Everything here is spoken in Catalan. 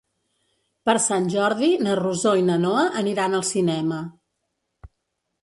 Per Sant Jordi na Rosó i na Noa aniran al cinema.